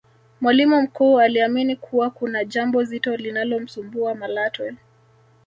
mwalimu mkuu aliamini kuwa kuna jambo zito linalomsumbua Malatwe